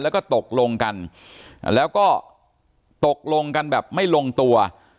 แล้วก็ตกลงกันแล้วก็ตกลงกันแบบไม่ลงตัว